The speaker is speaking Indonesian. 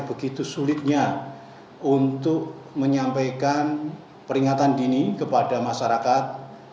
begitu sulitnya untuk menyampaikan peringatan dini kepada masyarakat